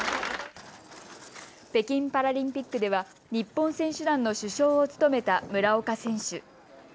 北京パラリンピックでは日本選手団の主将を務めた村岡選手。